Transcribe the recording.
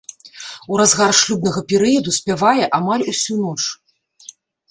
У разгар шлюбнага перыяду спявае амаль усю ноч.